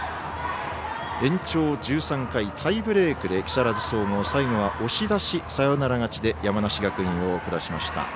延長１３回、タイブレークで木更津総合最後は押し出しサヨナラ勝ちで山梨学院を下しました。